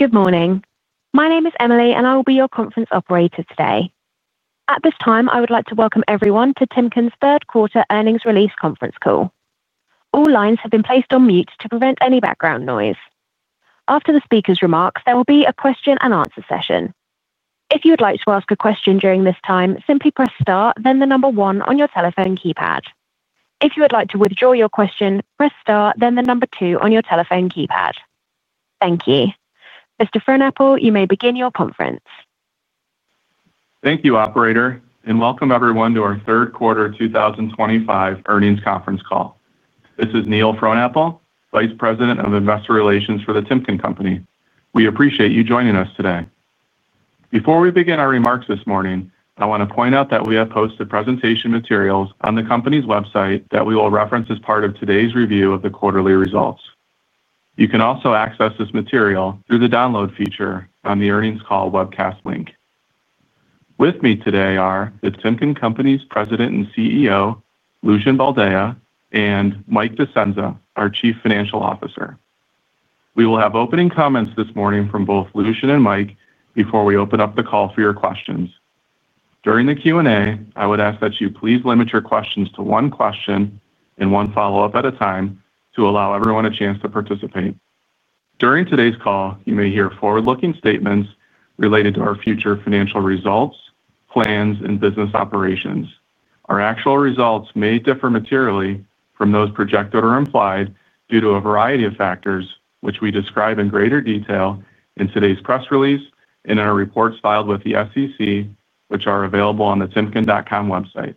Good morning. My name is Emily, and I will be your conference operator today. At this time, I would like to welcome everyone to Timken's third quarter earnings release conference call. All lines have been placed on mute to prevent any background noise. After the speaker's remarks, there will be a question and answer session. If you would like to ask a question during this time, simply press star, then the number one on your telephone keypad. If you would like to withdraw your question, press star, then the number two on your telephone keypad. Thank you. Mr. Frohnapple, you may begin your conference. Thank you, operator, and welcome everyone to our third quarter 2025 earnings conference call. This is Neil Frohnapple, Vice President of Investor Relations for The Timken Company. We appreciate you joining us today. Before we begin our remarks this morning, I want to point out that we have posted presentation materials on the company's website that we will reference as part of today's review of the quarterly results. You can also access this material through the download feature on the earnings call webcast link. With me today are The Timken Company's President and CEO, Lucian Boldea, and Mike Discenza, our Chief Financial Officer. We will have opening comments this morning from both Lucian and Mike before we open up the call for your questions. During the Q&A, I would ask that you please limit your questions to one question and one follow-up at a time to allow everyone a chance to participate. During today's call, you may hear forward-looking statements related to our future financial results, plans, and business operations. Our actual results may differ materially from those projected or implied due to a variety of factors, which we describe in greater detail in today's press release and in our reports filed with the SEC, which are available on the timken.com website.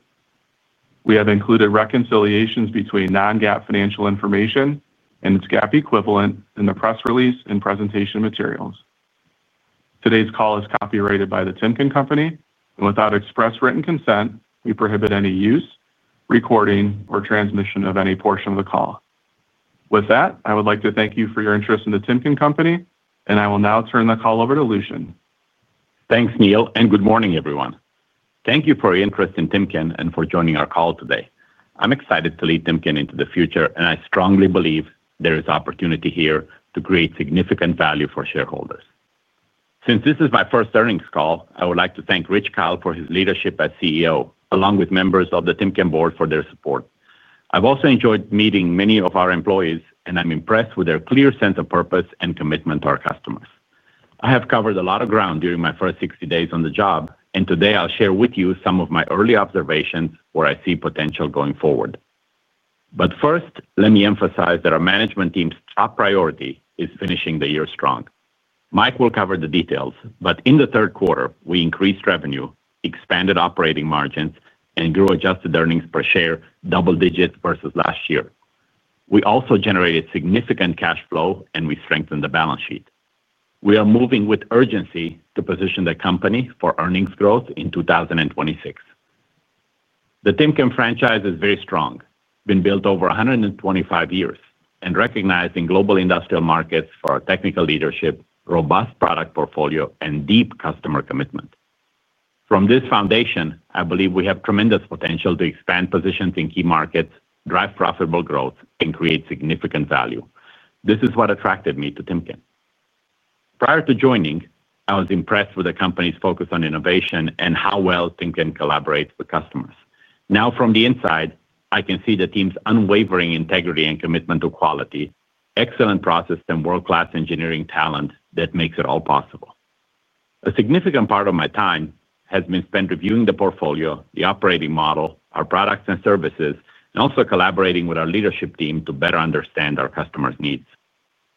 We have included reconciliations between non-GAAP financial information and its GAAP equivalent in the press release and presentation materials. Today's call is copyrighted by The Timken Company, and without express written consent, we prohibit any use, recording, or transmission of any portion of the call. With that, I would like to thank you for your interest in The Timken Company, and I will now turn the call over to Lucian. Thanks, Neil, and good morning, everyone. Thank you for your interest in Timken and for joining our call today. I'm excited to lead Timken into the future, and I strongly believe there is opportunity here to create significant value for shareholders. Since this is my first earnings call, I would like to thank Rich Kyle for his leadership as CEO, along with members of the Timken board for their support. I've also enjoyed meeting many of our employees, and I'm impressed with their clear sense of purpose and commitment to our customers. I have covered a lot of ground during my first 60 days on the job, and today I'll share with you some of my early observations where I see potential going forward. First, let me emphasize that our management team's top priority is finishing the year strong. Mike will cover the details, but in the third quarter, we increased revenue, expanded operating margins, and grew adjusted earnings per share double digits versus last year. We also generated significant cash flow, and we strengthened the balance sheet. We are moving with urgency to position the company for earnings growth in 2026. The Timken franchise is very strong, been built over 125 years, and recognized in global industrial markets for our technical leadership, robust product portfolio, and deep customer commitment. From this foundation, I believe we have tremendous potential to expand positions in key markets, drive profitable growth, and create significant value. This is what attracted me to Timken. Prior to joining, I was impressed with the company's focus on innovation and how well Timken collaborates with customers. Now, from the inside, I can see the team's unwavering integrity and commitment to quality, excellent process, and world-class engineering talent that makes it all possible. A significant part of my time has been spent reviewing the portfolio, the operating model, our products and services, and also collaborating with our leadership team to better understand our customers' needs.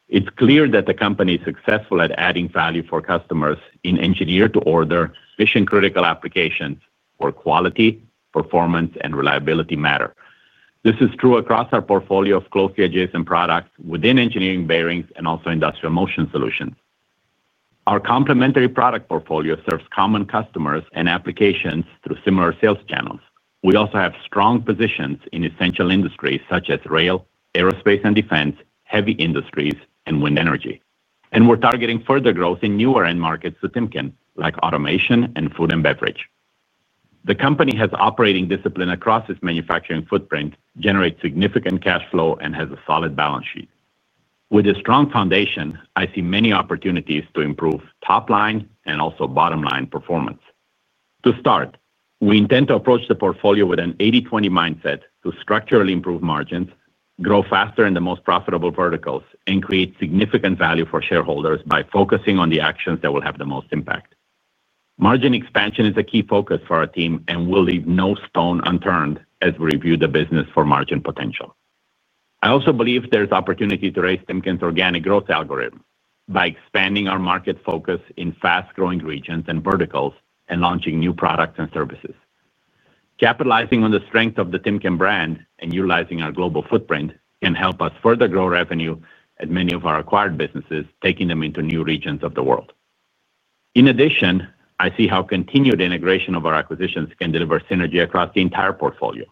It's clear that the company is successful at adding value for customers in engineered to order, mission-critical applications where quality, performance, and reliability matter. This is true across our portfolio of closely adjacent products within engineered bearings and also industrial motion solutions. Our complementary product portfolio serves common customers and applications through similar sales channels. We also have strong positions in essential industries such as rail, aerospace, and defense, heavy industries, and wind energy. We are targeting further growth in newer end markets to Timken, like automation and food and beverage. The company has operating discipline across its manufacturing footprint, generates significant cash flow, and has a solid balance sheet. With a strong foundation, I see many opportunities to improve top line and also bottom line performance. To start, we intend to approach the portfolio with an 80/20 mindset to structurally improve margins, grow faster in the most profitable verticals, and create significant value for shareholders by focusing on the actions that will have the most impact. Margin expansion is a key focus for our team, and we'll leave no stone unturned as we review the business for margin potential. I also believe there's opportunity to raise Timken's organic growth algorithm by expanding our market focus in fast-growing regions and verticals and launching new products and services. Capitalizing on the strength of the Timken brand and utilizing our global footprint can help us further grow revenue at many of our acquired businesses, taking them into new regions of the world. In addition, I see how continued integration of our acquisitions can deliver synergy across the entire portfolio.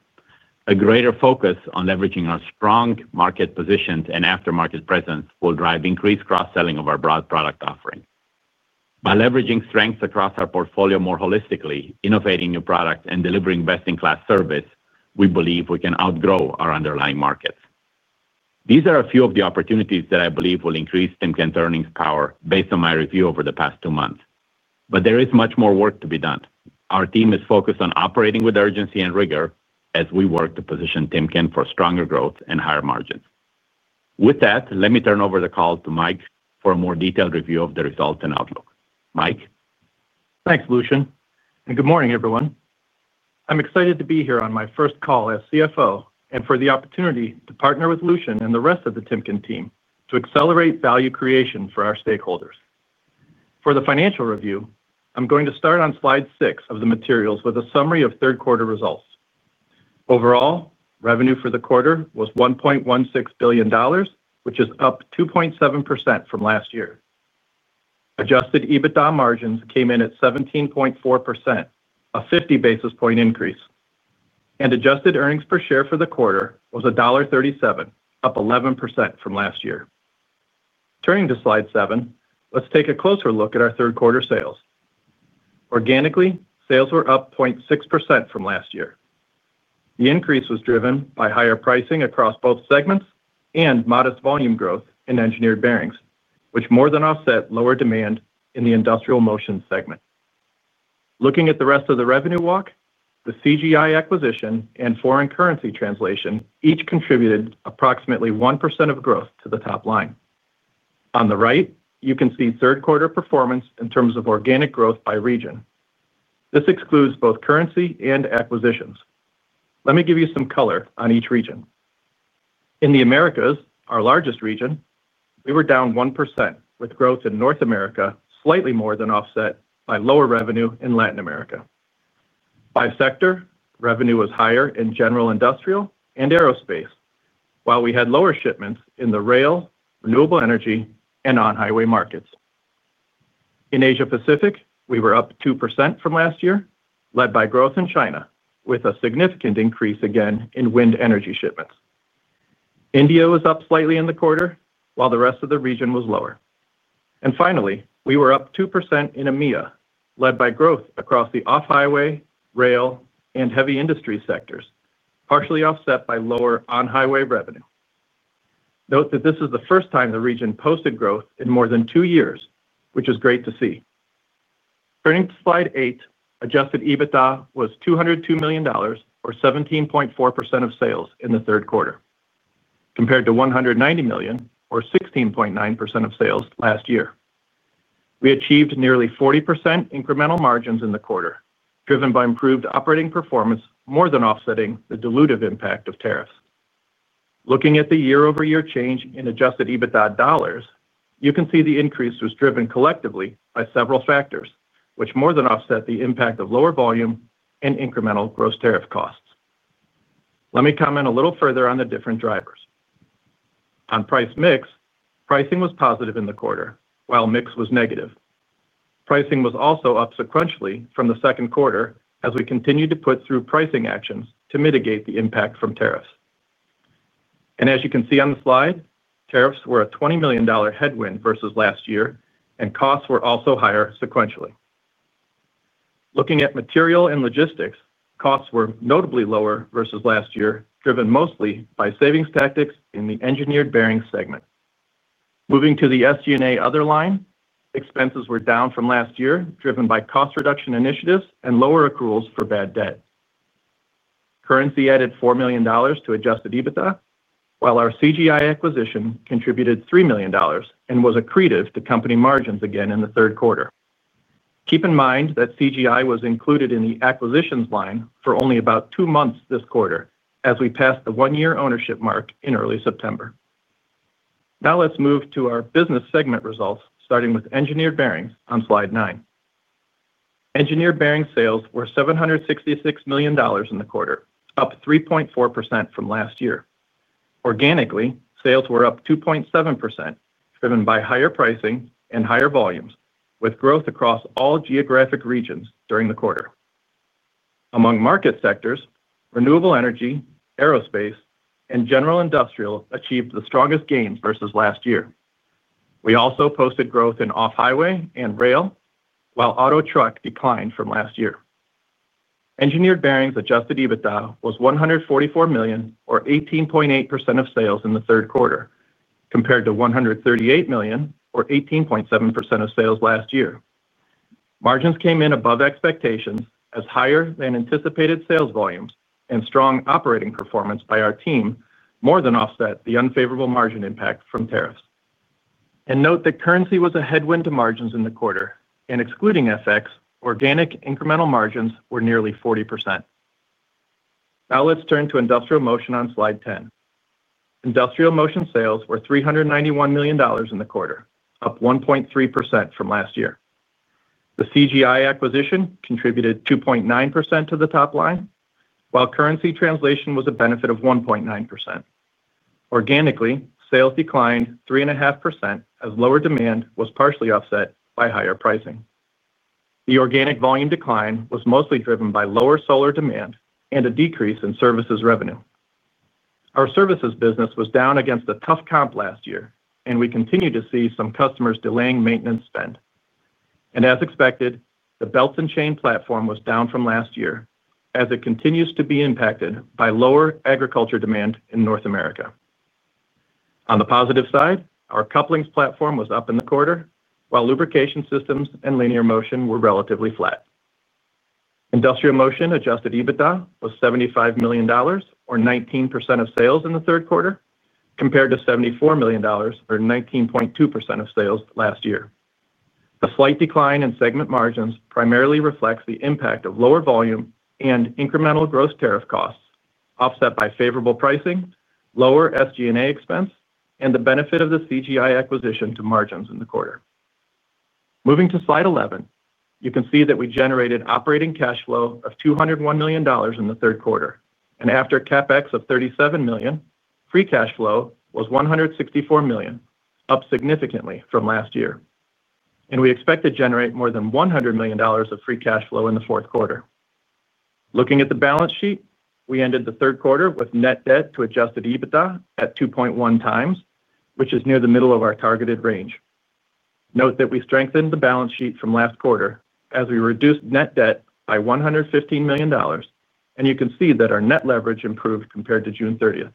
A greater focus on leveraging our strong market positions and aftermarket presence will drive increased cross-selling of our broad product offering. By leveraging strengths across our portfolio more holistically, innovating new products, and delivering best-in-class service, we believe we can outgrow our underlying markets. These are a few of the opportunities that I believe will increase Timken's earnings power based on my review over the past two months. There is much more work to be done. Our team is focused on operating with urgency and rigor as we work to position Timken for stronger growth and higher margins. With that, let me turn over the call to Mike for a more detailed review of the results and outlook. Mike. Thanks, Lucian, and good morning, everyone. I'm excited to be here on my first call as CFO and for the opportunity to partner with Lucian and the rest of the Timken team to accelerate value creation for our stakeholders. For the financial review, I'm going to start on slide six of the materials with a summary of third quarter results. Overall, revenue for the quarter was $1.16 billion, which is up 2.7% from last year. Adjusted EBITDA margins came in at 17.4%, a 50 basis point increase, and adjusted earnings per share for the quarter was $1.37, up 11% from last year. Turning to slide seven, let's take a closer look at our third quarter sales. Organically, sales were up 0.6% from last year. The increase was driven by higher pricing across both segments and modest volume growth in engineered bearings, which more than offset lower demand in the industrial motion segment. Looking at the rest of the revenue walk, the CGI acquisition and foreign currency translation each contributed approximately 1% of growth to the top line. On the right, you can see third quarter performance in terms of organic growth by region. This excludes both currency and acquisitions. Let me give you some color on each region. In the Americas, our largest region, we were down 1% with growth in North America slightly more than offset by lower revenue in Latin America. By sector, revenue was higher in general industrial and aerospace, while we had lower shipments in the rail, renewable energy, and on-highway markets. In Asia Pacific, we were up 2% from last year, led by growth in China, with a significant increase again in wind energy shipments. India was up slightly in the quarter, while the rest of the region was lower. Finally, we were up 2% in EMEA, led by growth across the off-highway, rail, and heavy industry sectors, partially offset by lower on-highway revenue. Note that this is the first time the region posted growth in more than two years, which is great to see. Turning to slide eight, adjusted EBITDA was $202 million, or 17.4% of sales in the third quarter, compared to $190 million, or 16.9% of sales last year. We achieved nearly 40% incremental margins in the quarter, driven by improved operating performance, more than offsetting the dilutive impact of tariffs. Looking at the year-over-year change in adjusted EBITDA dollars, you can see the increase was driven collectively by several factors, which more than offset the impact of lower volume and incremental gross tariff costs. Let me comment a little further on the different drivers. On price mix, pricing was positive in the quarter, while mix was negative. Pricing was also up sequentially from the second quarter as we continued to put through pricing actions to mitigate the impact from tariffs. As you can see on the slide, tariffs were a $20 million headwind versus last year, and costs were also higher sequentially. Looking at material and logistics, costs were notably lower versus last year, driven mostly by savings tactics in the engineered bearings segment. Moving to the SG&A other line, expenses were down from last year, driven by cost reduction initiatives and lower accruals for bad debt. Currency added $4 million to adjusted EBITDA, while our CGI acquisition contributed $3 million and was accretive to company margins again in the third quarter. Keep in mind that CGI was included in the acquisitions line for only about two months this quarter as we passed the one-year ownership mark in early September. Now let's move to our business segment results, starting with engineered bearings on slide nine. Engineered bearings sales were $766 million in the quarter, up 3.4% from last year. Organically, sales were up 2.7%, driven by higher pricing and higher volumes, with growth across all geographic regions during the quarter. Among market sectors, renewable energy, aerospace, and general industrial achieved the strongest gains versus last year. We also posted growth in off-highway and rail, while auto truck declined from last year. Engineered bearings adjusted EBITDA was $144 million, or 18.8% of sales in the third quarter, compared to $138 million, or 18.7% of sales last year. Margins came in above expectations as higher than anticipated sales volumes and strong operating performance by our team more than offset the unfavorable margin impact from tariffs. Note that currency was a headwind to margins in the quarter, and excluding FX, organic incremental margins were nearly 40%. Now let's turn to industrial motion on slide 10. Industrial motion sales were $391 million in the quarter, up 1.3% from last year. The CGI acquisition contributed 2.9% to the top line, while currency translation was a benefit of 1.9%. Organically, sales declined 3.5% as lower demand was partially offset by higher pricing. The organic volume decline was mostly driven by lower solar demand and a decrease in services revenue. Our services business was down against a tough comp last year, and we continue to see some customers delaying maintenance spend. As expected, the belts and chain platform was down from last year as it continues to be impacted by lower agriculture demand in North America. On the positive side, our couplings platform was up in the quarter, while lubrication systems and linear motion were relatively flat. Industrial motion adjusted EBITDA was $75 million, or 19% of sales in the third quarter, compared to $74 million, or 19.2% of sales last year. The slight decline in segment margins primarily reflects the impact of lower volume and incremental gross tariff costs offset by favorable pricing, lower SG&A expense, and the benefit of the CGI acquisition to margins in the quarter. Moving to slide 11, you can see that we generated operating cash flow of $201 million in the third quarter, and after a CapEx of $37 million, free cash flow was $164 million, up significantly from last year. We expect to generate more than $100 million of free cash flow in the fourth quarter. Looking at the balance sheet, we ended the third quarter with net debt to adjusted EBITDA at 2.1x, which is near the middle of our targeted range. Note that we strengthened the balance sheet from last quarter as we reduced net debt by $115 million, and you can see that our net leverage improved compared to June 30th.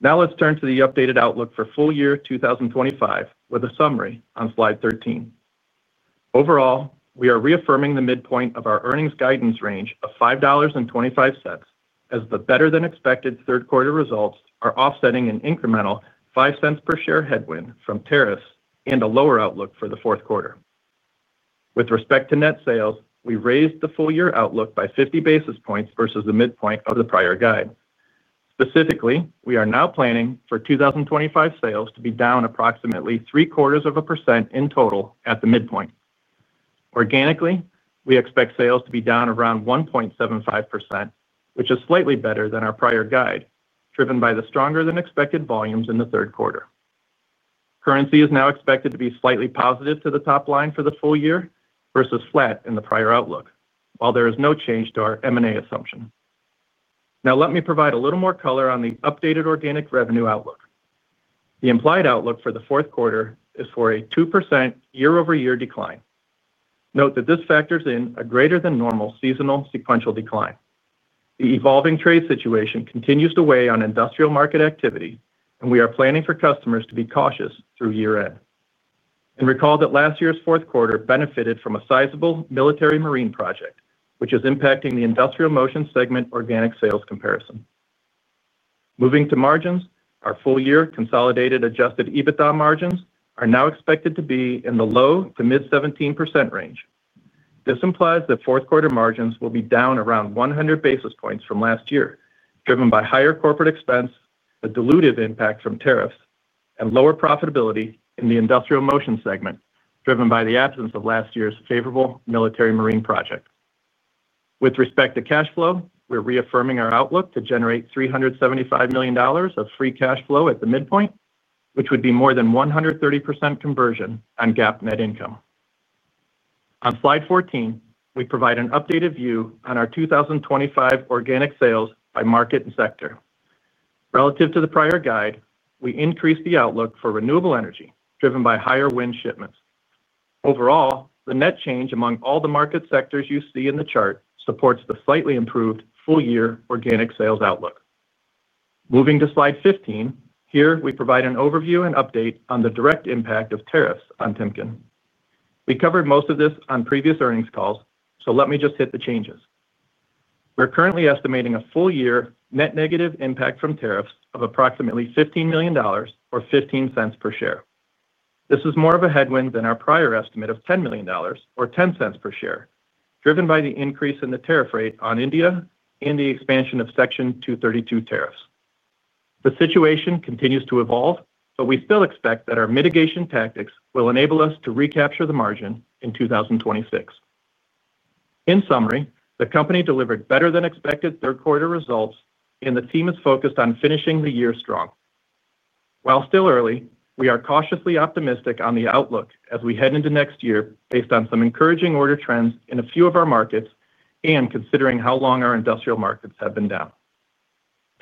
Now let's turn to the updated outlook for full year 2025 with a summary on slide 13. Overall, we are reaffirming the midpoint of our earnings guidance range of $5.25 as the better than expected third quarter results are offsetting an incremental $0.05 per share headwind from tariffs and a lower outlook for the fourth quarter. With respect to net sales, we raised the full year outlook by 50 basis points versus the midpoint of the prior guide. Specifically, we are now planning for 2025 sales to be down approximately 0.75% in total at the midpoint. Organically, we expect sales to be down around 1.75%, which is slightly better than our prior guide, driven by the stronger than expected volumes in the third quarter. Currency is now expected to be slightly positive to the top line for the full year versus flat in the prior outlook, while there is no change to our M&A assumption. Now let me provide a little more color on the updated organic revenue outlook. The implied outlook for the fourth quarter is for a 2% year-over-year decline. Note that this factors in a greater than normal seasonal sequential decline. The evolving trade situation continues to weigh on industrial market activity, and we are planning for customers to be cautious through year-end. Recall that last year's fourth quarter benefited from a sizable military marine project, which is impacting the industrial motion segment organic sales comparison. Moving to margins, our full year consolidated adjusted EBITDA margins are now expected to be in the low to mid-17% range. This implies that fourth quarter margins will be down around 100 basis points from last year, driven by higher corporate expense, a dilutive impact from tariffs, and lower profitability in the industrial motion segment, driven by the absence of last year's favorable military marine project. With respect to cash flow, we're reaffirming our outlook to generate $375 million of free cash flow at the midpoint, which would be more than 130% conversion on GAAP net income. On slide 14, we provide an updated view on our 2025 organic sales by market and sector. Relative to the prior guide, we increased the outlook for renewable energy, driven by higher wind shipments. Overall, the net change among all the market sectors you see in the chart supports the slightly improved full year organic sales outlook. Moving to slide 15, here we provide an overview and update on the direct impact of tariffs on Timken. We covered most of this on previous earnings calls, so let me just hit the changes. We're currently estimating a full year net negative impact from tariffs of approximately $15 million, or $0.15 per share. This is more of a headwind than our prior estimate of $10 million, or $0.10 per share, driven by the increase in the tariff rate on India and the expansion of Section 232 tariffs. The situation continues to evolve, but we still expect that our mitigation tactics will enable us to recapture the margin in 2026. In summary, the company delivered better than expected third quarter results, and the team is focused on finishing the year strong. While still early, we are cautiously optimistic on the outlook as we head into next year based on some encouraging order trends in a few of our markets and considering how long our industrial markets have been down.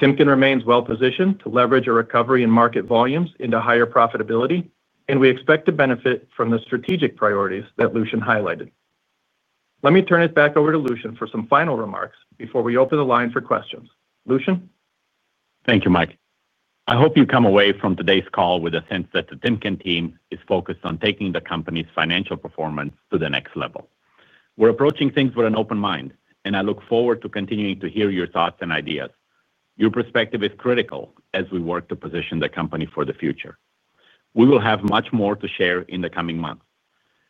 Timken remains well-positioned to leverage a recovery in market volumes into higher profitability, and we expect to benefit from the strategic priorities that Lucian highlighted. Let me turn it back over to Lucian for some final remarks before we open the line for questions. Lucian? Thank you, Mike. I hope you come away from today's call with a sense that the Timken team is focused on taking the company's financial performance to the next level. We're approaching things with an open mind, and I look forward to continuing to hear your thoughts and ideas. Your perspective is critical as we work to position the company for the future. We will have much more to share in the coming months.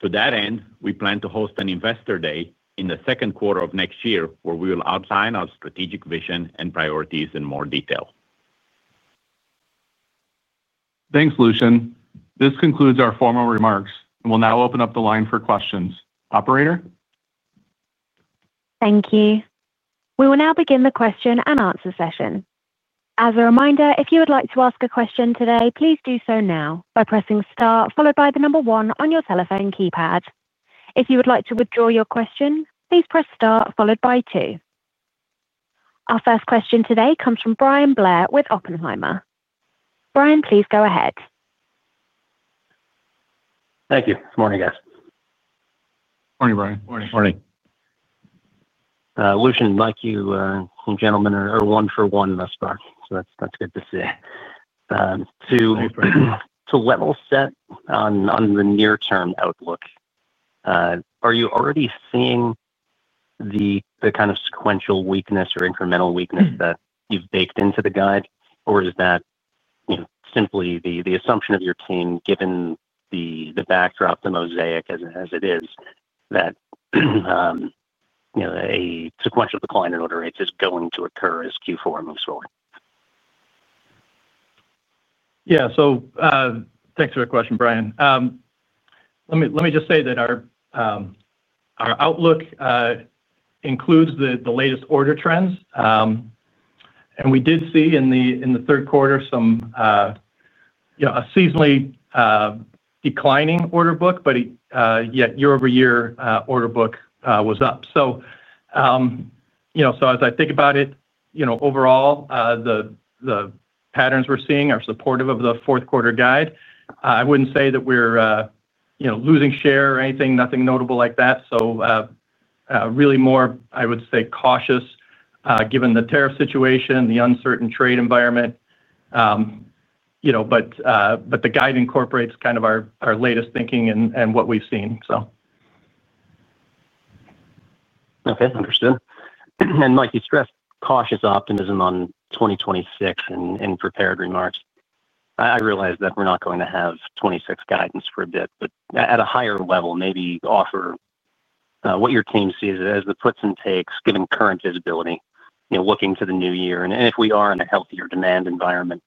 To that end, we plan to host an investor day in the second quarter of next year, where we will outline our strategic vision and priorities in more detail. Thanks, Lucian. This concludes our formal remarks, and we'll now open up the line for questions. Operator? Thank you. We will now begin the question and answer session. As a reminder, if you would like to ask a question today, please do so now by pressing star, followed by the number one on your telephone keypad. If you would like to withdraw your question, please press star, followed by two. Our first question today comes from Brian Blair with Oppenheimer. Brian, please go ahead. Thank you. Good morning, guys. Morning, Brian. Morning. Morning. Lucian, you and gentlemen are one for one thus far, so that's good to see. To level set on the near-term outlook, are you already seeing the kind of sequential weakness or incremental weakness that you've baked into the guide, or is that simply the assumption of your team, given the backdrop, the mosaic as it is, that a sequential decline in order rates is going to occur as Q4 moves forward? Yeah. Thanks for the question, Brian. Let me just say that our outlook includes the latest order trends, and we did see in the third quarter a seasonally declining order book, yet year-over-year order book was up. As I think about it, overall, the patterns we're seeing are supportive of the fourth quarter guide. I wouldn't say that we're losing share or anything, nothing notable like that. Really more, I would say, cautious given the tariff situation, the uncertain trade environment, but the guide incorporates kind of our latest thinking and what we've seen. Okay. Understood. Mike, you stressed cautious optimism on 2026 in prepared remarks. I realize that we're not going to have 2026 guidance for a bit, but at a higher level, maybe offer what your team sees as the puts and takes given current visibility, looking to the new year. If we are in a healthier demand environment,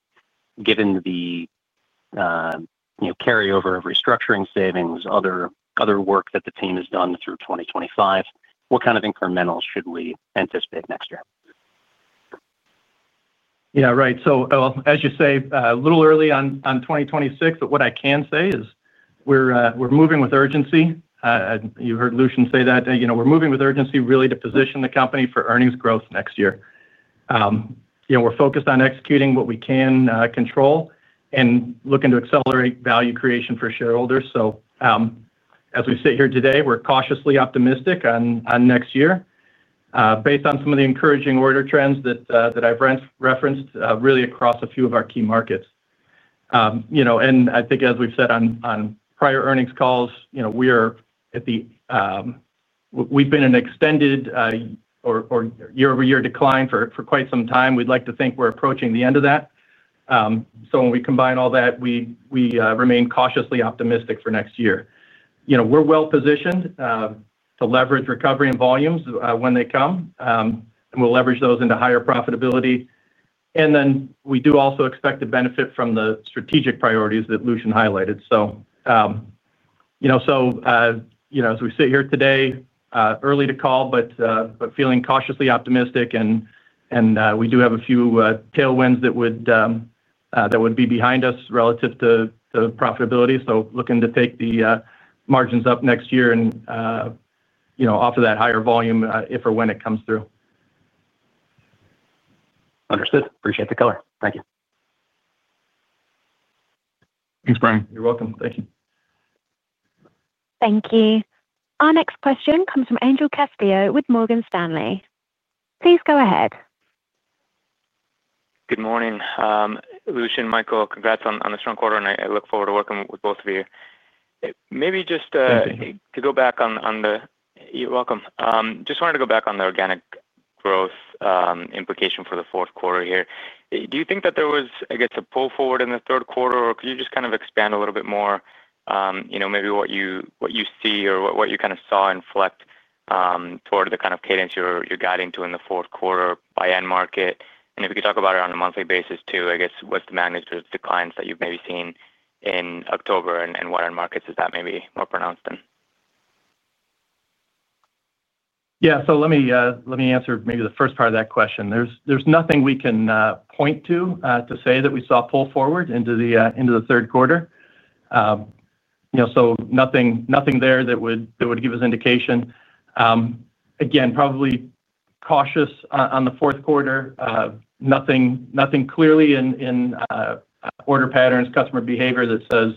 given the carryover of restructuring savings and other work that the team has done through 2025, what kind of incrementals should we anticipate next year? Right. As you say, a little early on 2026, but what I can say is we're moving with urgency. You heard Lucian say that we're moving with urgency really to position the company for earnings growth next year. We're focused on executing what we can control and looking to accelerate value creation for shareholders. As we sit here today, we're cautiously optimistic on next year based on some of the encouraging order trends that I've referenced really across a few of our key markets. I think as we've said on prior earnings calls, we've been in an extended or year-over-year decline for quite some time. We'd like to think we're approaching the end of that. When we combine all that, we remain cautiously optimistic for next year. We're well-positioned to leverage recovery in volumes when they come, and we'll leverage those into higher profitability. We do also expect to benefit from the strategic priorities that Lucian highlighted. As we sit here today, early to call, but feeling cautiously optimistic, and we do have a few tailwinds that would be behind us relative to profitability. Looking to take the margins up next year and off of that higher volume if or when it comes through. Understood. Appreciate the color. Thank you. Thanks, Brian. You're welcome. Thank you. Thank you. Our next question comes from Angel Castillo with Morgan Stanley. Please go ahead. Good morning, Lucian, Michael. Congrats on the strong quarter, and I look forward to working with both of you. Maybe just to go back on the organic growth implication for the fourth quarter here. Do you think that there was a pull forward in the third quarter, or could you just kind of expand a little bit more, you know, maybe what you see or what you kind of saw inflect toward the kind of cadence you're guiding to in the fourth quarter by end market? If you could talk about it on a monthly basis too, what's the magnitude of declines that you've maybe seen in October, and what end markets is that maybe more pronounced in? Yeah. Let me answer maybe the first part of that question. There's nothing we can point to to say that we saw a pull forward into the third quarter. Nothing there that would give us indication. Again, probably cautious on the fourth quarter. Nothing clearly in order patterns or customer behavior that says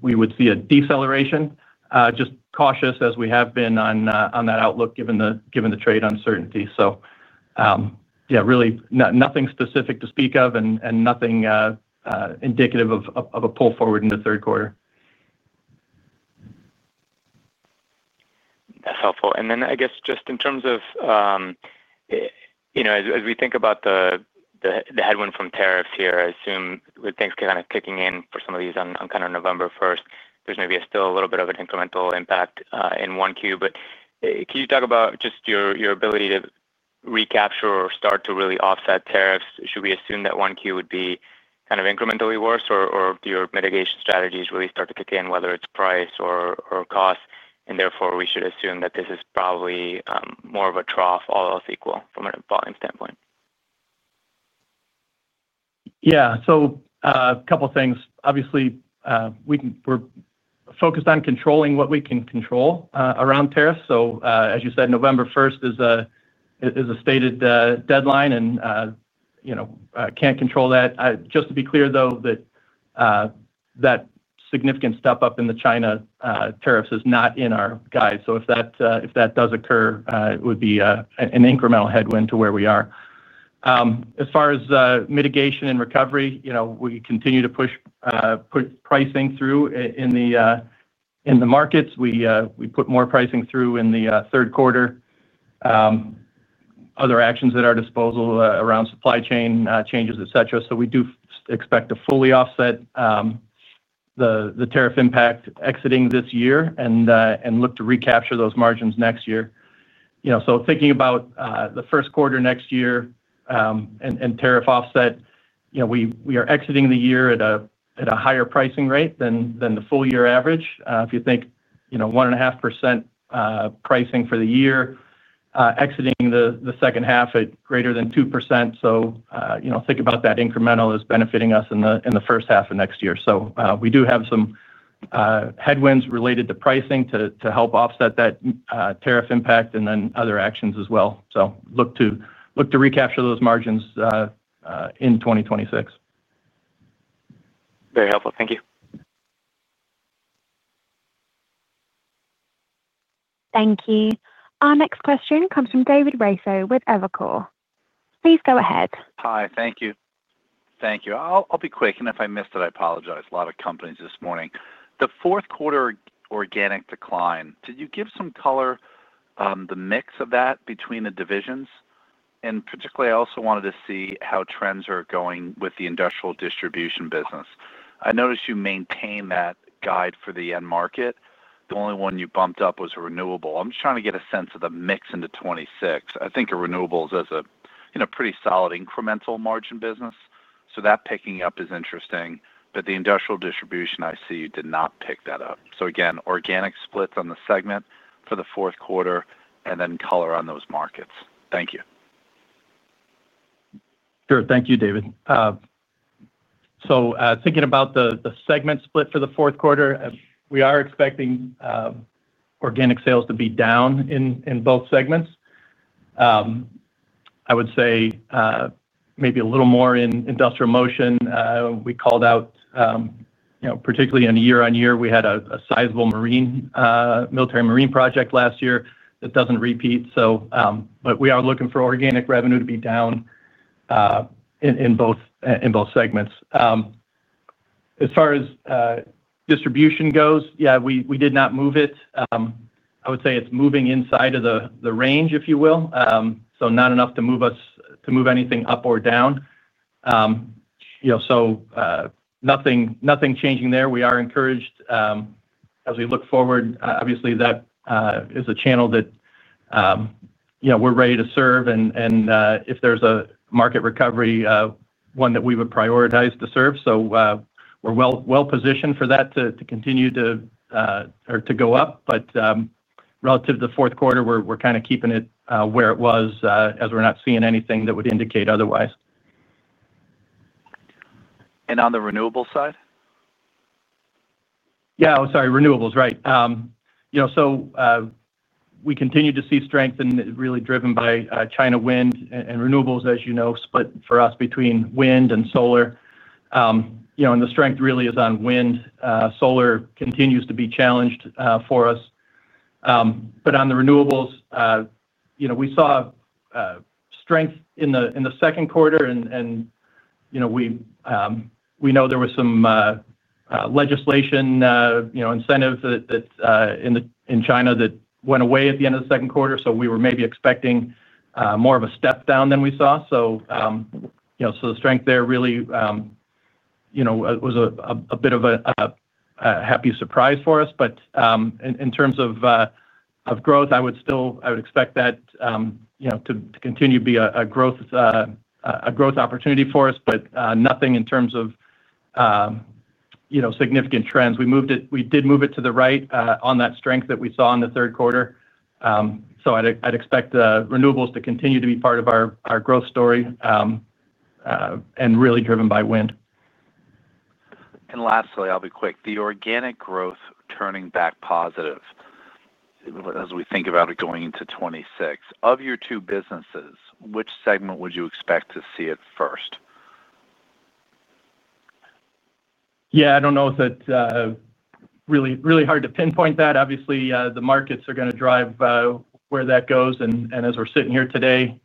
we would see a deceleration. Just cautious as we have been on that outlook given the trade uncertainty. Really nothing specific to speak of and nothing indicative of a pull forward into the third quarter. That's helpful. I guess just in terms of, you know, as we think about the headwind from tariffs here, I assume with things kind of kicking in for some of these on kind of November 1st, there's maybe still a little bit of an incremental impact in 1Q. Can you talk about just your ability to recapture or start to really offset tariffs? Should we assume that 1Q would be kind of incrementally worse, or do your mitigation strategies really start to kick in, whether it's price or cost, and therefore we should assume that this is probably more of a trough, all else equal, from a volume standpoint? Yeah. A couple of things. Obviously, we're focused on controlling what we can control around tariffs. As you said, November 1st is a stated deadline, and you know, can't control that. Just to be clear, though, that significant step up in the China tariffs is not in our guide. If that does occur, it would be an incremental headwind to where we are. As far as mitigation and recovery, we continue to push pricing through in the markets. We put more pricing through in the third quarter, other actions at our disposal around supply chain changes, etc. We do expect to fully offset the tariff impact exiting this year and look to recapture those margins next year. Thinking about the first quarter next year and tariff offset, we are exiting the year at a higher pricing rate than the full year average. If you think 1.5% pricing for the year, exiting the second half at greater than 2%. Think about that incremental as benefiting us in the first half of next year. We do have some headwinds related to pricing to help offset that tariff impact and then other actions as well. Look to recapture those margins in 2026. Very helpful. Thank you. Thank you. Our next question comes from David Raso with Evercore. Please go ahead. Hi. Thank you. Thank you. I'll be quick, and if I missed it, I apologize. A lot of companies this morning. The fourth quarter organic decline, could you give some color on the mix of that between the divisions? Particularly, I also wanted to see how trends are going with the industrial distribution business. I noticed you maintain that guide for the end market. The only one you bumped up was renewable. I'm just trying to get a sense of the mix into 2026. I think of renewables as a pretty solid incremental margin business. That picking up is interesting. The industrial distribution, I see you did not pick that up. Again, organic splits on the segment for the fourth quarter and then color on those markets. Thank you. Sure. Thank you, David. Thinking about the segment split for the fourth quarter, we are expecting organic sales to be down in both segments. I would say maybe a little more in industrial motion. We called out, particularly year on year, we had a sizable military marine project last year that doesn't repeat. We are looking for organic revenue to be down in both segments. As far as distribution goes, we did not move it. I would say it's moving inside of the range, if you will, so not enough to move us to move anything up or down. Nothing changing there. We are encouraged as we look forward. Obviously, that is a channel that we're ready to serve, and if there's a market recovery, one that we would prioritize to serve. We are well-positioned for that to continue to go up. Relative to the fourth quarter, we're kind of keeping it where it was as we're not seeing anything that would indicate otherwise. On the renewable side? Yeah. Renewables, right. We continue to see strength and really driven by China wind and renewables, as you know, split for us between wind and solar. The strength really is on wind. Solar continues to be challenged for us. On the renewables, we saw strength in the second quarter, and we know there was some legislation incentive in China that went away at the end of the second quarter. We were maybe expecting more of a step down than we saw. The strength there really was a bit of a happy surprise for us. In terms of growth, I would still expect that to continue to be a growth opportunity for us, but nothing in terms of significant trends. We did move it to the right on that strength that we saw in the third quarter. I'd expect the renewables to continue to be part of our growth story and really driven by wind. Lastly, I'll be quick. The organic growth turning back positive, as we think about it going into 2026, of your two businesses, which segment would you expect to see it first? I don't know if it's really hard to pinpoint that. Obviously, the markets are going to drive where that goes. As we're sitting here today,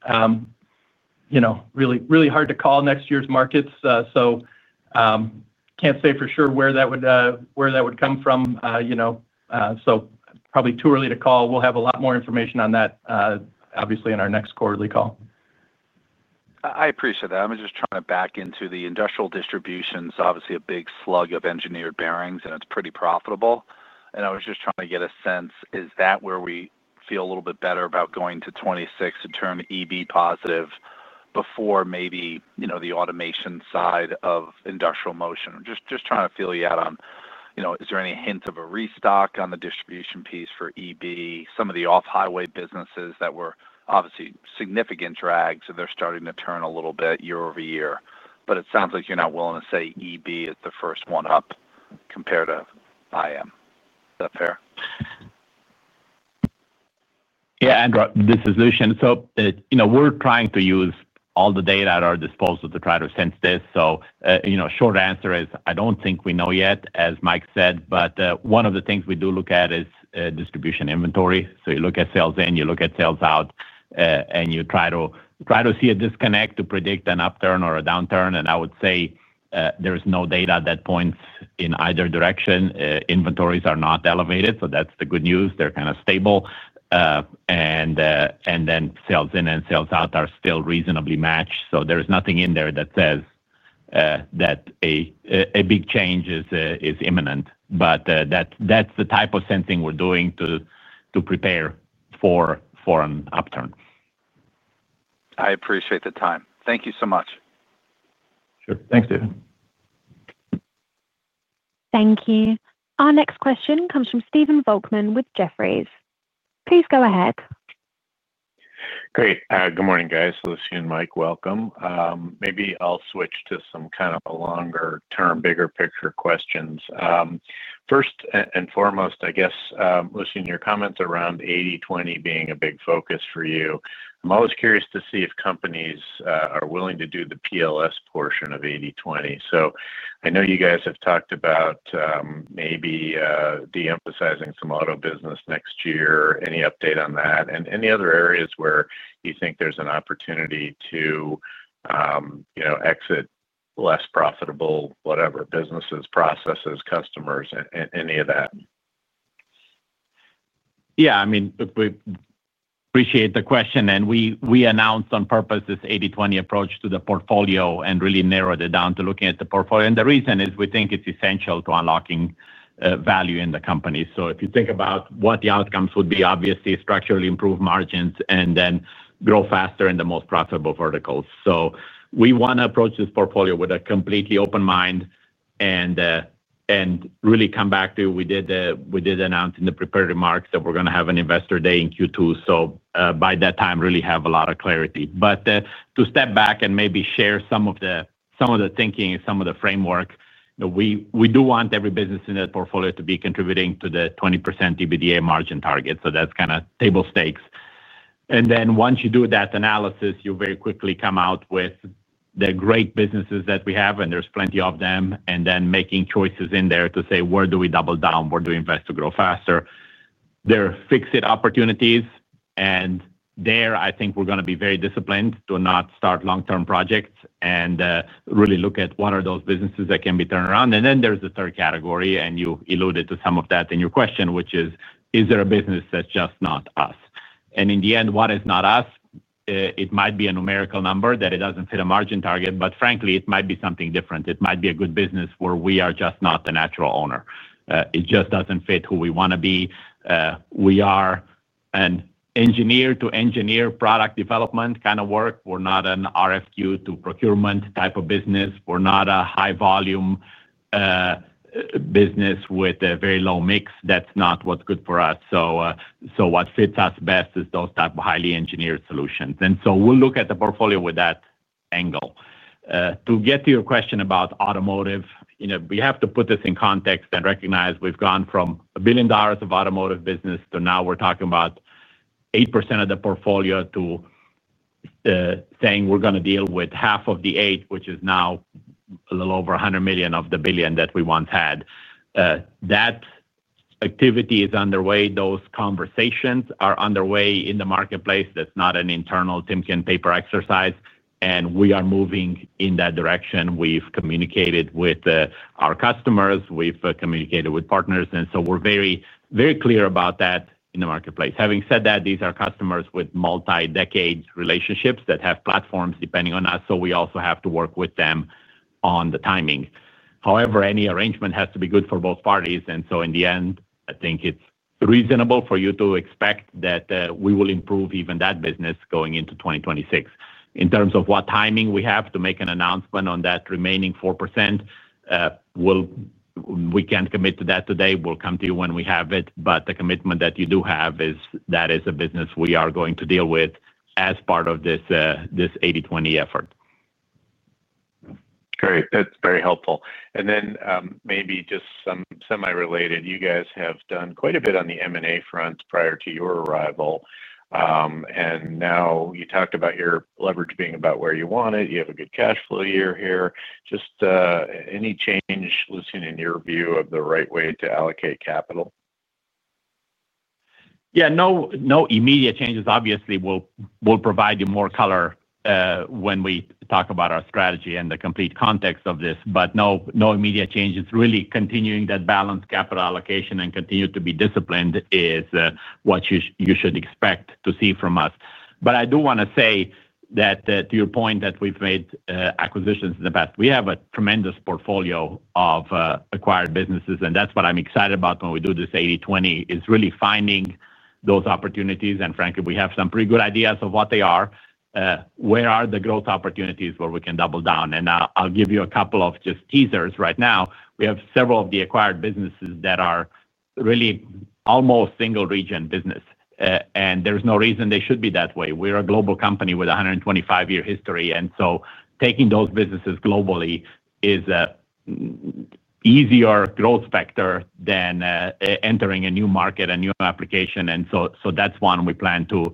it's really hard to call next year's markets. Can't say for sure where that would come from. Probably too early to call. We'll have a lot more information on that in our next quarterly call. I appreciate that. I'm just trying to back into the industrial distributions. Obviously, a big slug of engineered bearings, and it's pretty profitable. I was just trying to get a sense, is that where we feel a little bit better about going to 2026 to turn EB positive before maybe, you know, the automation side of industrial motion? I'm just trying to feel you out on, you know, is there any hint of a restock on the distribution piece for EB, some of the off-highway businesses that were obviously significant drags? They're starting to turn a little bit year-over-year. It sounds like you're not willing to say EB is the first one up compared to IM. Is that fair? Yeah, Andrew. This is Lucian. We're trying to use all the data at our disposal to try to sense this. The short answer is I don't think we know yet, as Mike said. One of the things we do look at is distribution inventory. You look at sales in, you look at sales out, and you try to see a disconnect to predict an upturn or a downturn. I would say there's no data that points in either direction. Inventories are not elevated, so that's the good news. They're kind of stable. Sales in and sales out are still reasonably matched. There's nothing in there that says that a big change is imminent. That's the type of sensing we're doing to prepare for an upturn. I appreciate the time. Thank you so much. Sure. Thanks, David. Thank you. Our next question comes from Stephen Volkmann with Jefferies. Please go ahead. Great. Good morning, guys. Lucian and Mike, welcome. Maybe I'll switch to some kind of longer-term, bigger-picture questions. First and foremost, I guess, Lucian, your comments around 80/20 being a big focus for you. I'm always curious to see if companies are willing to do the PLS portion of 80/20. I know you guys have talked about maybe de-emphasizing some auto business next year. Any update on that? Any other areas where you think there's an opportunity to exit less profitable, whatever, businesses, processes, customers, any of that? Yeah. I mean, we appreciate the question. We announced on purpose this 80/20 portfolio approach and really narrowed it down to looking at the portfolio. The reason is we think it's essential to unlocking value in the company. If you think about what the outcomes would be, obviously, structurally improve margins and then grow faster in the most profitable verticals. We want to approach this portfolio with a completely open mind and really come back to we did announce in the prepared remarks that we're going to have an investor day in Q2. By that time, really have a lot of clarity. To step back and maybe share some of the thinking and some of the framework, you know, we do want every business in the portfolio to be contributing to the 20% EBITDA margin target. That's kind of table stakes. Once you do that analysis, you very quickly come out with the great businesses that we have, and there's plenty of them, and then making choices in there to say, where do we double down? Where do we invest to grow faster? There are fix-it opportunities. There, I think we're going to be very disciplined to not start long-term projects and really look at what are those businesses that can be turned around. Then there's a third category, and you alluded to some of that in your question, which is, is there a business that's just not us? In the end, what is not us? It might be a numerical number that it doesn't fit a margin target, but frankly, it might be something different. It might be a good business where we are just not the natural owner. It just doesn't fit who we want to be. We are an engineer-to-engineer product development kind of work. We're not an RFQ-to-procurement type of business. We're not a high-volume business with a very low mix. That's not what's good for us. What fits us best is those types of highly engineered solutions. We'll look at the portfolio with that angle. To get to your question about automotive, you know, we have to put this in context and recognize we've gone from $1 billion of automotive business to now we're talking about 8% of the portfolio to saying we're going to deal with half of the 8%, which is now a little over $100 million of the $1 billion that we once had. That activity is underway. Those conversations are underway in the marketplace. That's not an internal Timken paper exercise. We are moving in that direction. We've communicated with our customers. We've communicated with partners, and we're very, very clear about that in the marketplace. Having said that, these are customers with multi-decades relationships that have platforms depending on us. We also have to work with them on the timing. However, any arrangement has to be good for both parties. In the end, I think it's reasonable for you to expect that we will improve even that business going into 2026. In terms of what timing we have to make an announcement on that remaining 4%, we can't commit to that today. We'll come to you when we have it. The commitment that you do have is that is a business we are going to deal with as part of this 80/20 effort. Great. That's very helpful. Maybe just some semi-related, you guys have done quite a bit on the M&A front prior to your arrival. Now you talked about your leverage being about where you want it. You have a good cash flow year here. Just any change, Lucian, in your view of the right way to allocate capital? Yeah. No immediate changes, obviously. We will provide you more color when we talk about our strategy and the complete context of this. No immediate changes. Really continuing that balanced capital allocation and continuing to be disciplined is what you should expect to see from us. I do want to say that to your point that we've made acquisitions in the past, we have a tremendous portfolio of acquired businesses. That's what I'm excited about when we do this 80/20 is really finding those opportunities. Frankly, we have some pretty good ideas of what they are. Where are the growth opportunities where we can double down? I'll give you a couple of just teasers right now. We have several of the acquired businesses that are really almost single-region business, and there's no reason they should be that way. We're a global company with a 125-year history, and taking those businesses globally is an easier growth factor than entering a new market, a new application. That's one we plan to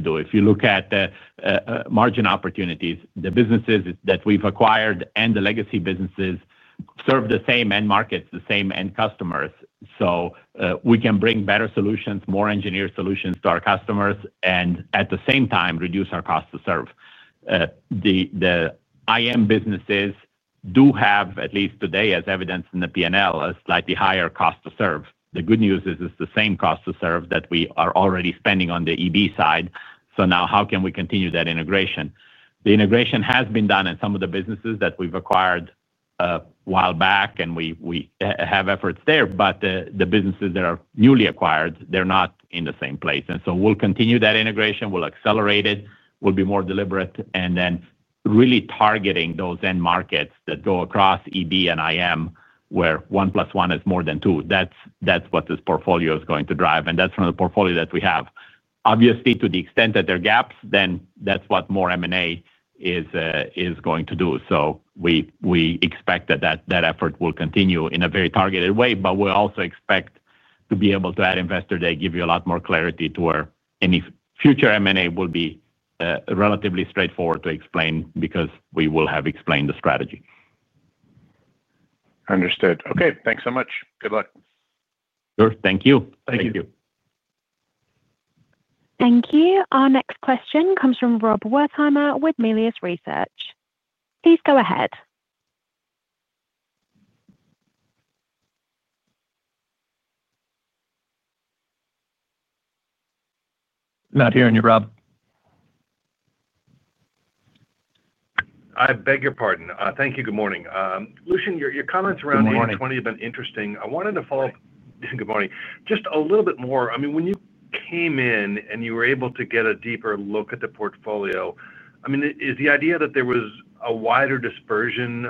do. If you look at the margin opportunities, the businesses that we've acquired and the legacy businesses serve the same end markets, the same end customers. We can bring better solutions, more engineered solutions to our customers, and at the same time, reduce our cost to serve. The IM businesses do have, at least today, as evidenced in the P&L, a slightly higher cost to serve. The good news is it's the same cost to serve that we are already spending on the EB side. Now how can we continue that integration? The integration has been done in some of the businesses that we've acquired a while back, and we have efforts there. The businesses that are newly acquired, they're not in the same place. We will continue that integration. We'll accelerate it. We'll be more deliberate and then really targeting those end markets that go across EB and IM where one plus one is more than two. That's what this portfolio is going to drive. That's from the portfolio that we have. Obviously, to the extent that there are gaps, that's what more M&A is going to do. We expect that effort will continue in a very targeted way. We also expect to be able to add investors. They give you a lot more clarity to where any future M&A will be relatively straightforward to explain because we will have explained the strategy. Understood. Okay, thanks so much. Good luck. Sure, thank you. Thank you. Thank you. Our next question comes from Rob Wertheimer with Melius Research. Please go ahead. Not hearing you, Rob. I beg your pardon. Thank you. Good morning. Lucian, your comments around 80/20 have been interesting. I wanted to follow up. Good morning. Just a little bit more. I mean, when you came in and you were able to get a deeper look at the portfolio, is the idea that there was a wider dispersion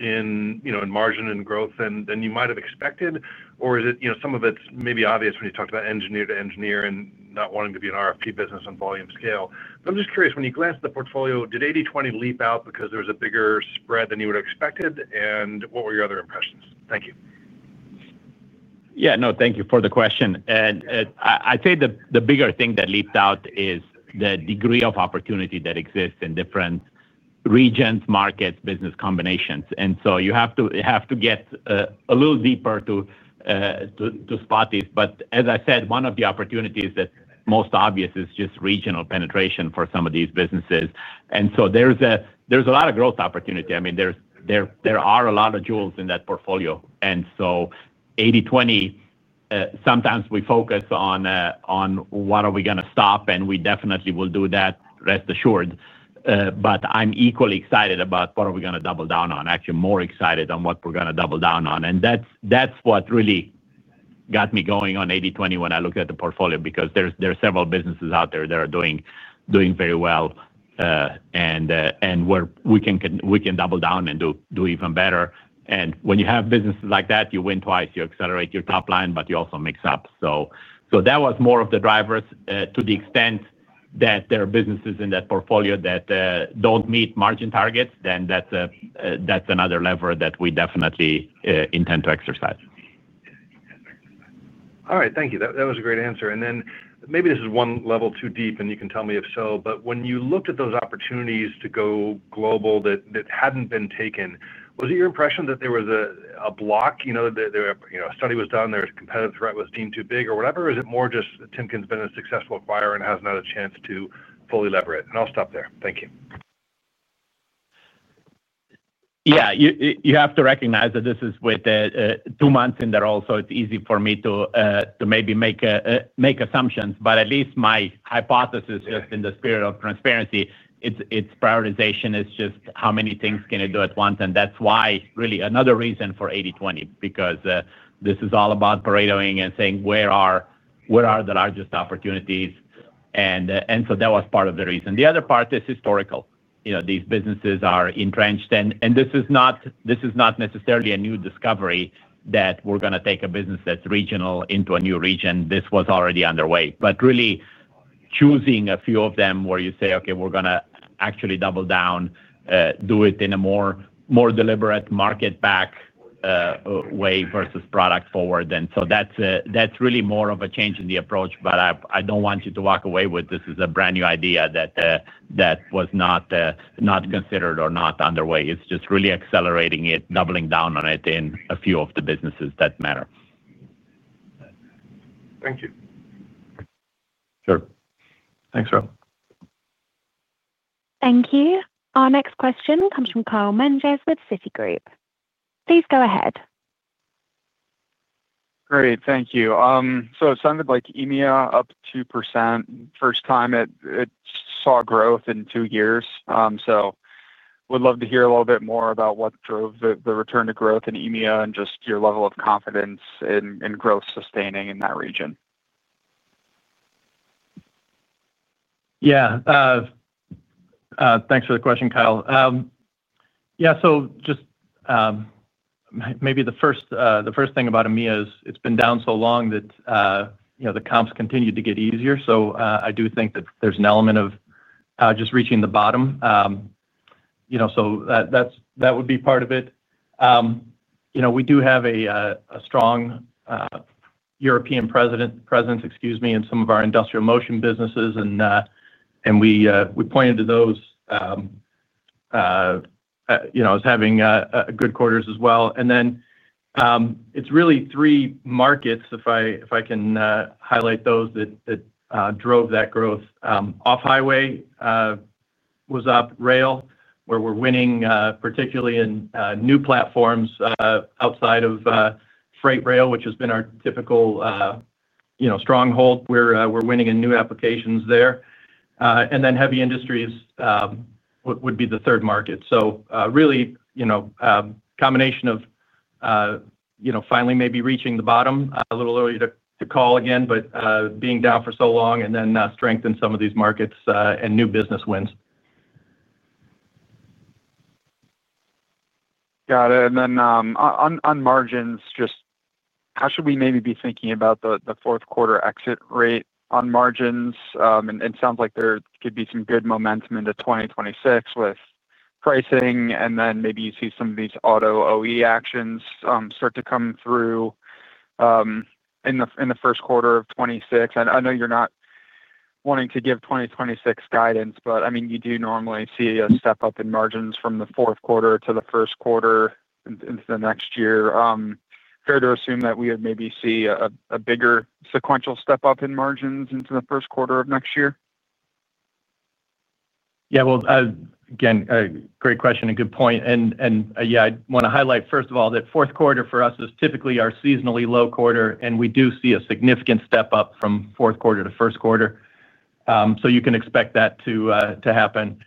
in margin and growth than you might have expected? Is it, you know, some of it's maybe obvious when you talked about engineer to engineer and not wanting to be an RFP business on volume scale? I'm just curious, when you glanced at the portfolio, did 80/20 leap out because there was a bigger spread than you would have expected? What were your other impressions? Thank you. Thank you for the question. I'd say the bigger thing that leaped out is the degree of opportunity that exists in different regions, markets, business combinations. You have to get a little deeper to spot these. As I said, one of the opportunities that's most obvious is just regional penetration for some of these businesses. There's a lot of growth opportunity. I mean, there are a lot of jewels in that portfolio. 80/20, sometimes we focus on what are we going to stop, and we definitely will do that, rest assured. I'm equally excited about what are we going to double down on, actually more excited on what we're going to double down on. That's what really got me going on 80/20 when I looked at the portfolio because there are several businesses out there that are doing very well. We can double down and do even better. When you have businesses like that, you win twice. You accelerate your top line, but you also mix up. That was more of the drivers. To the extent that there are businesses in that portfolio that don't meet margin targets, then that's another lever that we definitely intend to exercise. All right. Thank you. That was a great answer. Maybe this is one level too deep, and you can tell me if so, but when you looked at those opportunities to go global that hadn't been taken, was it your impression that there was a block? You know, a study was done, there was a competitive threat that was deemed too big or whatever. Is it more just Timken's been a successful acquirer and hasn't had a chance to fully lever it? I'll stop there. Thank you. Yeah. You have to recognize that this is with two months in the role, so it's easy for me to maybe make assumptions. At least my hypothesis, just in the spirit of transparency, its prioritization is just how many things can you do at once. That's why really another reason for 80/20 because this is all about parading and saying where are the largest opportunities. That was part of the reason. The other part is historical. You know, these businesses are entrenched. This is not necessarily a new discovery that we're going to take a business that's regional into a new region. This was already underway. Really choosing a few of them where you say, "Okay, we're going to actually double down, do it in a more deliberate market-back way versus product forward." That's really more of a change in the approach. I don't want you to walk away with this as a brand new idea that was not considered or not underway. It's just really accelerating it, doubling down on it in a few of the businesses that matter. Thank you. Sure. Thanks, Rob. Thank you. Our next question comes from Kyle Menges with Citigroup. Please go ahead. Great. Thank you. It sounded like EMEA up 2%. First time it saw growth in two years. I would love to hear a little bit more about what drove the return to growth in EMEA and just your level of confidence in growth sustaining in that region. Yeah. Thanks for the question, Kyle. Just maybe the first thing about EMEA is it's been down so long that the comps continue to get easier. I do think that there's an element of just reaching the bottom. That would be part of it. We do have a strong European presence, excuse me, in some of our industrial motion businesses. We pointed to those as having good quarters as well. It's really three markets, if I can highlight those, that drove that growth. Off-highway was up, rail, where we're winning, particularly in new platforms outside of freight rail, which has been our typical stronghold. We're winning in new applications there. Heavy industries would be the third market. Really, a combination of finally maybe reaching the bottom, a little early to call again, but being down for so long and then strengthened some of these markets and new business wins. Got it. On margins, how should we maybe be thinking about the fourth quarter exit rate on margins? It sounds like there could be some good momentum into 2026 with pricing. Maybe you see some of these auto OE actions start to come through in the first quarter of 2026. I know you're not wanting to give 2026 guidance, but you do normally see a step up in margins from the fourth quarter to the first quarter into the next year. Is it fair to assume that we would maybe see a bigger sequential step up in margins into the first quarter of next year? Yeah. Great question and good point. I want to highlight, first of all, that fourth quarter for us is typically our seasonally low quarter, and we do see a significant step up from fourth quarter to first quarter. You can expect that to happen.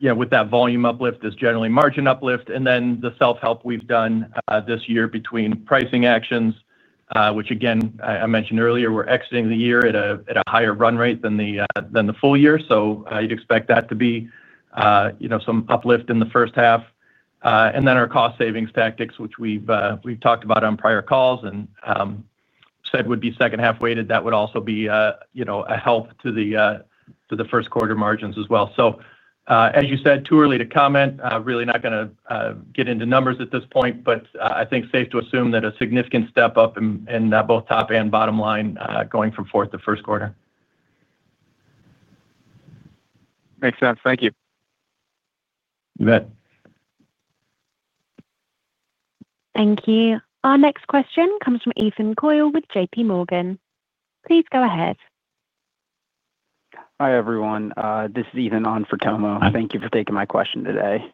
With that volume uplift is generally margin uplift. The self-help we've done this year between pricing actions, which I mentioned earlier, we're exiting the year at a higher run rate than the full year, so you'd expect that to be some uplift in the first half. Our cost savings tactics, which we've talked about on prior calls and said would be second half weighted, would also be a help to the first quarter margins as well. As you said, too early to comment. I'm really not going to get into numbers at this point, but I think safe to assume that a significant step up in both top and bottom line going from fourth to first quarter. Makes sense. Thank you. You bet. Thank you. Our next question comes from Ethan Coyle with JPMorgan. Please go ahead. Hi, everyone. This is Ethan on for Tomo. Thank you for taking my question today.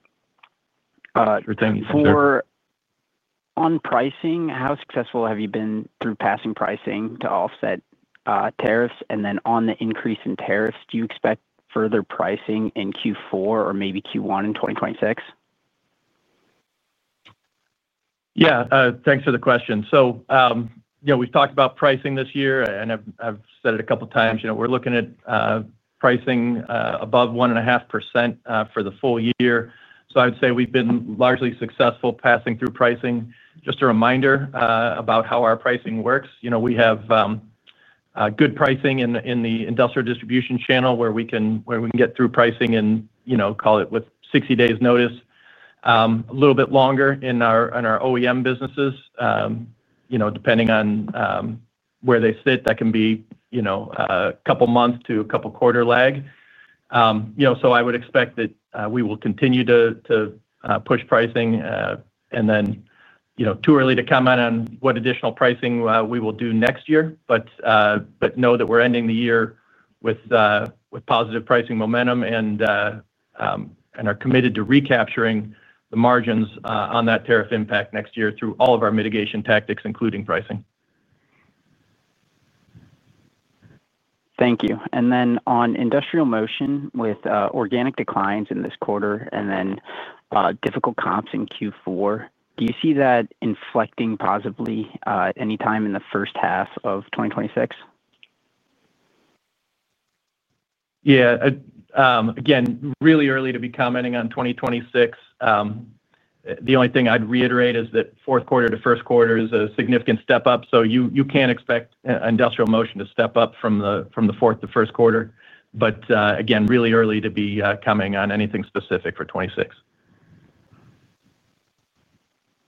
For on pricing, how successful have you been through passing pricing to offset tariffs? On the increase in tariffs, do you expect further pricing in Q4 or maybe Q1 in 2026? Yeah. Thanks for the question. You know, we've talked about pricing this year, and I've said it a couple of times. We're looking at pricing above 1.5% for the full year. I would say we've been largely successful passing through pricing. Just a reminder about how our pricing works. We have good pricing in the industrial distribution channel where we can get through pricing with 60 days' notice. A little bit longer in our OEM businesses, depending on where they sit, that can be a couple of months to a couple of quarter lag. I would expect that we will continue to push pricing. It's too early to comment on what additional pricing we will do next year, but know that we're ending the year with positive pricing momentum and are committed to recapturing the margins on that tariff impact next year through all of our mitigation tactics, including pricing. Thank you. On industrial motion with organic declines in this quarter and difficult comps in Q4, do you see that inflecting positively anytime in the first half of 2026? Yeah. Again, really early to be commenting on 2026. The only thing I'd reiterate is that fourth quarter to first quarter is a significant step up. You can expect industrial motion to step up from the fourth to first quarter. Again, really early to be commenting on anything specific for 2026.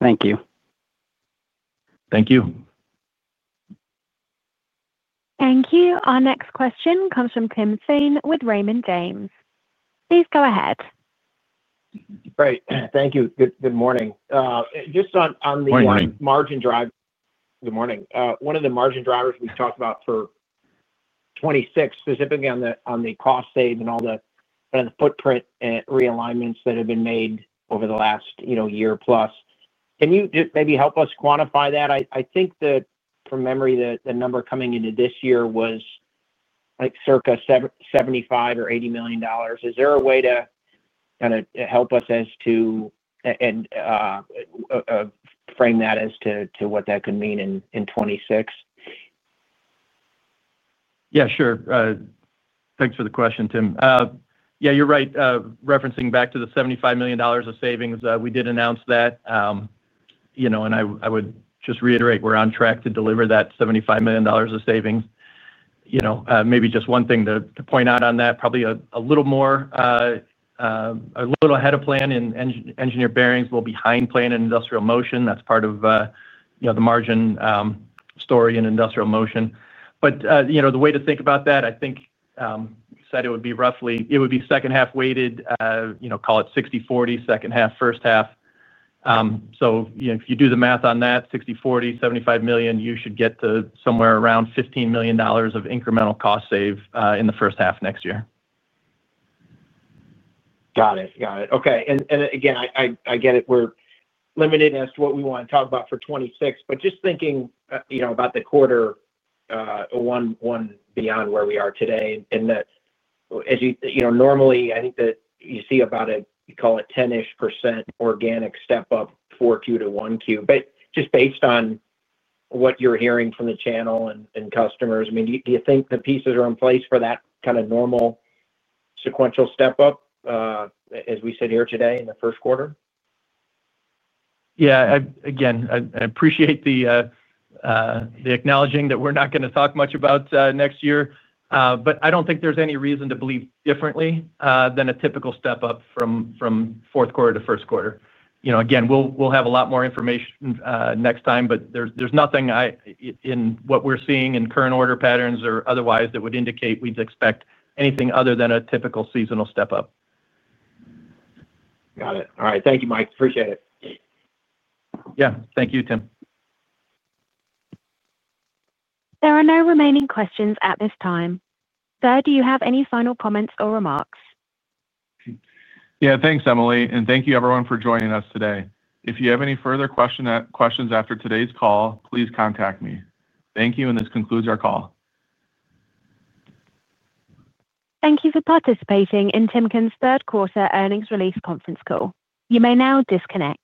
Thank you. Thank you. Thank you. Our next question comes from Tim Thein with Raymond James. Please go ahead. Great. Thank you. Good morning. Just on the margin driver. Morning. Good morning. One of the margin drivers we've talked about for 2026, specifically on the cost savings and all the kind of the footprint and realignments that have been made over the last year plus. Can you just maybe help us quantify that? I think from memory, the number coming into this year was like circa $75 million or $80 million. Is there a way to kind of help us as to frame that as to what that could mean in 2026? Yeah, sure. Thanks for the question, Tim. Yeah, you're right. Referencing back to the $75 million of savings, we did announce that. I would just reiterate we're on track to deliver that $75 million of savings. Maybe just one thing to point out on that, probably a little more, a little ahead of plan in engineered bearings, will be behind plan in industrial motion. That's part of the margin story in industrial motion. The way to think about that, I think you said it would be roughly, it would be second half weighted, call it 60/40 second half, first half. If you do the math on that, 60/40, $75 million, you should get to somewhere around $15 million of incremental cost save in the first half next year. Got it. Okay. We're limited as to what we want to talk about for 2026, but just thinking about the quarter one beyond where we are today. Normally, I think that you see about a, you call it, 10% organic step up for Q4 to Q1. Based on what you're hearing from the channel and customers, do you think the pieces are in place for that kind of normal sequential step up as we sit here today in the first quarter? Yeah, again, I appreciate the acknowledging that we're not going to talk much about next year. I don't think there's any reason to believe differently than a typical step up from fourth quarter to first quarter. Again, we'll have a lot more information next time, but there's nothing in what we're seeing in current order patterns or otherwise that would indicate we'd expect anything other than a typical seasonal step up. Got it. All right. Thank you, Mike. Appreciate it. Yeah, thank you, Tim. There are no remaining questions at this time. Sir, do you have any final comments or remarks? Thank you, Emily. Thank you, everyone, for joining us today. If you have any further questions after today's call, please contact me. Thank you, and this concludes our call. Thank you for participating in Timken's third quarter earnings release conference call. You may now disconnect.